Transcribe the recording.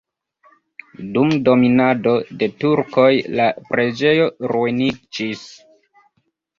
Dum dominado de turkoj la preĝejo ruiniĝis.